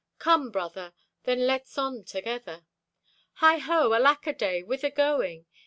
Come, Brother, then let's on together. Hi ho, alack a day, whither going?